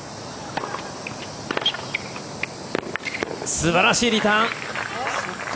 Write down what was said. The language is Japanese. すばらしいリターン！